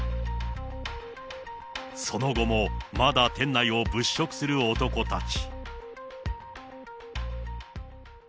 その後もまだ店内を物色する男たち。